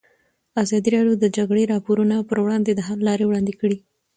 ازادي راډیو د د جګړې راپورونه پر وړاندې د حل لارې وړاندې کړي.